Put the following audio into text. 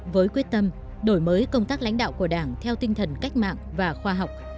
với quyết tâm đổi mới công tác lãnh đạo của đảng theo tinh thần cách mạng và khoa học